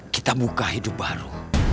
kita buka hidup baru